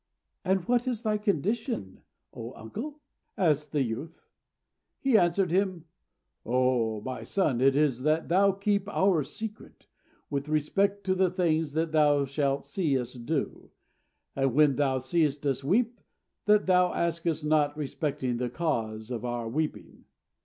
"And what is thy condition, O uncle?" asked the youth. He answered him, "O my son, it is that thou keep our secret with respect to the things that thou shalt see us do; and when thou seest us weep, that thou ask us not respecting the cause of our weeping."